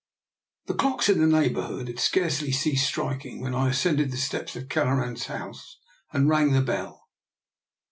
The clocks in the neighbourhood had scarcely ceased striking when I ascended the steps of Kelleran's house and rang the bell.